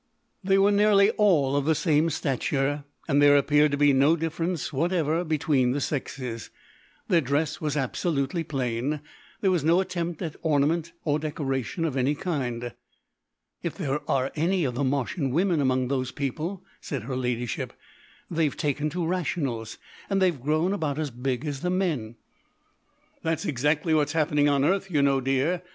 They were nearly all of the same stature, and there appeared to be no difference whatever between the sexes. Their dress was absolutely plain; there was no attempt at ornament or decoration of any kind. "If there are any of the Martian women among those people," said her ladyship, "they've taken to rationals, and they've grown about as big as the men." "That's exactly what's happening on earth, you know, dear.